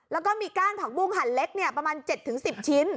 แล้วก็มีก้านผักบุ้งหั่นเล็กประมาณ๗๑๐ชิ้น